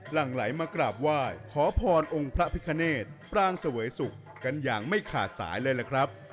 หลังไหลมากราบไหว้ขอพรองค์พระพิคเนตปรางเสวยสุขกันอย่างไม่ขาดสายเลยล่ะครับ